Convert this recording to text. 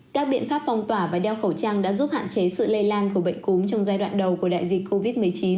các biện pháp phong tỏa và đeo khẩu trang đã giúp hạn chế sự lây lan của bệnh cúm trong giai đoạn đầu của đại dịch covid một mươi chín